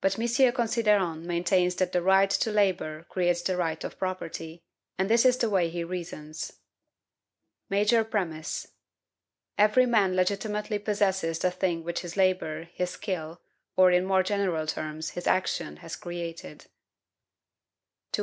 Considerant maintains that the right to labor creates the right of property, and this is the way he reasons: Major Premise. "Every man legitimately possesses the thing which his labor, his skill, or, in more general terms, his action, has created." To which M.